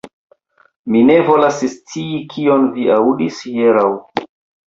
Mi ne volas scii, kion vi aŭdis hieraŭ.